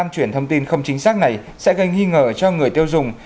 chuyển thông tin không chính xác này sẽ gây nghi ngờ cho người tiêu dùng